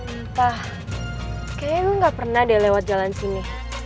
entah kayaknya gue gak pernah deh lewat jalan sini